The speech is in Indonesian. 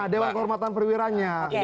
dewan kehormatan perwiranya